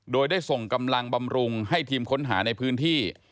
โดยได้ส่งกำลังบำรุงให้ทีมค้นหาในพื้นที่